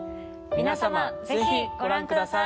皆様、ぜひご覧ください。